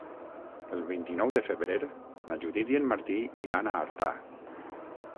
El vint-i-nou de febrer na Judit i en Martí iran a Artà.